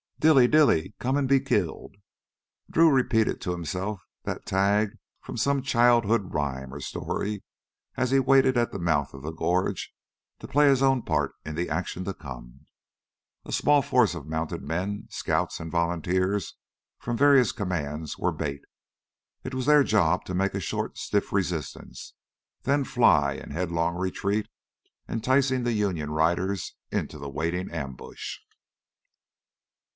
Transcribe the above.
"Dilly, Dilly, come and be killed," Drew repeated to himself that tag from some childhood rhyme or story as he waited at the mouth of the gorge to play his own part in the action to come. A small force of mounted men, scouts, and volunteers from various commands were bait. It was their job to make a short stiff resistance, then fly in headlong retreat, enticing the Union riders into the waiting ambush.